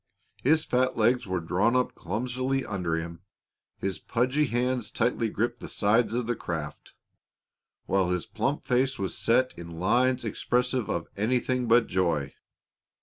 His fat legs were drawn up clumsily under him, his pudgy hands tightly gripped the sides of the craft, while his plump face was set in lines expressive of anything but joy.